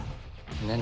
何？